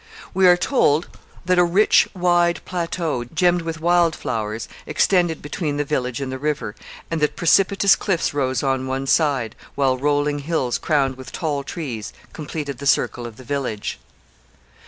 We are told that a rich, wide plateau, gemmed with wild flowers, extended between the village and the river, and that precipitous cliffs rose on one side, while rolling hills crowned with tall trees completed the circle of the village.